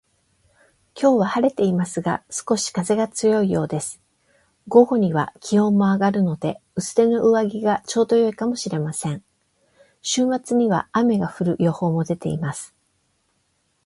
今日は晴れていますが、少し風が強いようです。午後には気温も上がるので、薄手の上着がちょうど良いかもしれません。週末には雨が降る予報も出ています